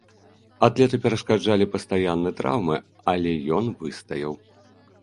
Атлету перашкаджалі пастаянны траўмы, але ён выстаяў.